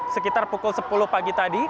sekitar pukul sepuluh pagi tadi